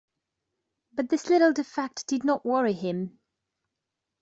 But this little defect did not worry him.